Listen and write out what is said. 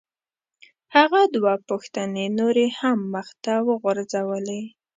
هغه دوه پوښتنې نورې هم مخ ته وغورځولې.